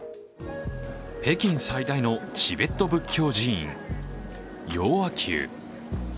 北京最大のチベット仏教寺院・雍和宮。